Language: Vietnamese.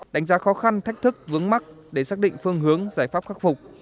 đánh giá khó khăn thách thức vướng mắt để xác định phương hướng giải pháp khắc phục